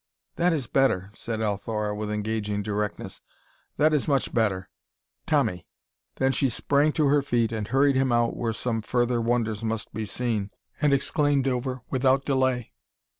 "That is better," said Althora with engaging directness; "that is much better Tommy." Then she sprang to her feet and hurried him out where some further wonders must be seen and exclaimed over without delay.